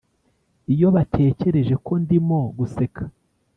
iyo batekereje ko ndimo guseka,